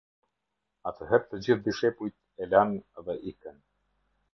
Atëherë të gjithë dishepujt e lanë dhe ikën.